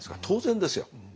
当然ですよ。